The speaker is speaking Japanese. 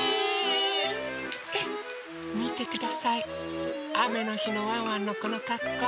みてくださいあめのひのワンワンのこのかっこう。